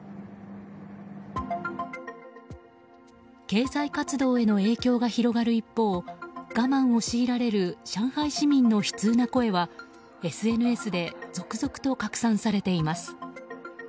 経済活動への影響が広がる一方我慢を強いられる上海市民の悲痛な声はＳＮＳで続々と拡散されています。